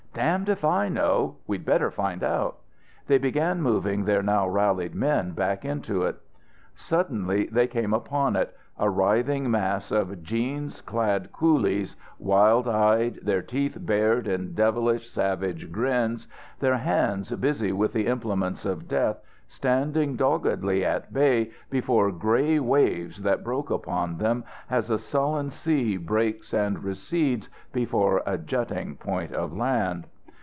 "Damned if I know! We'd better find out!" They began moving their now rallied men back into it. Suddenly they came upon it a writhing mass of jeans clad coolies, wild eyed, their teeth bared in devilish, savage grins, their hands busy with the implements of death, standing doggedly at bay before grey waves that broke upon them as a sullen sea breaks and recedes before a jutting point of land